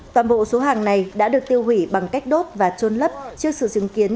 toàn bộ số hàng này đã được tiêu hủy bằng cách đốt và trôn lấp trước sự chứng kiến